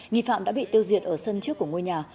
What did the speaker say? nghi phạm đã bị tiêu diệt ở sân trước của ngôi nhà